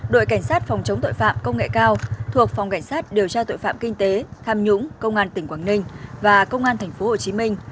đội cảnh sát phòng chống tội phạm công nghệ cao thuộc phòng cảnh sát điều tra tội phạm kinh tế tham nhũng công an tỉnh quảng ninh và công an thành phố hồ chí minh